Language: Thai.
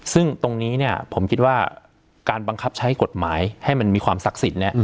ซึ่งตรงนี้ผมคิดว่าการบังคับใช้กฎหมายให้มันมีความศักดิ์สิทธิ์